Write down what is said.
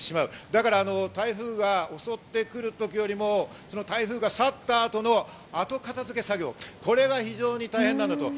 だから台風が襲ってくる時よりも台風が去った後の後片付け作業、これが非常に大変なんだと。